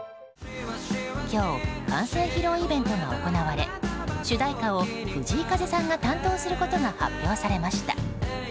今日、完成披露イベントが行われ主題歌を藤井風さんが担当することが発表されました。